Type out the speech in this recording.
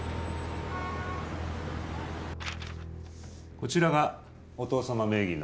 こちらがお父様名義の。